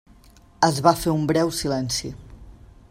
Es va fer un breu silenci.